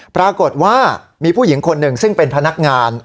ปรากฏว่ามีผู้หญิงคนหนึ่งซึ่งเป็นพนักงาน